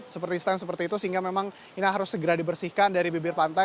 seperti stand seperti itu sehingga memang ini harus segera dibersihkan dari bibir pantai